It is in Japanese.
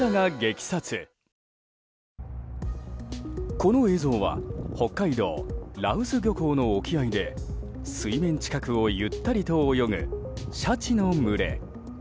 この映像は北海道羅臼漁港の沖合で水面近くをゆったりと泳ぐシャチの群れ。